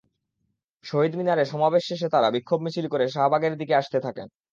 শহীদ মিনারে সমাবেশ শেষে তাঁরা বিক্ষোভ মিছিল করে শাহবাগের দিকে আসতে থাকেন।